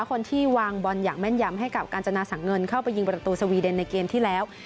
คนที่วางบอลอย่างแม่นยำให้กับกาญจนาสังเงินเข้าไปยิงประตูสวีเดนในเกมที่แล้ว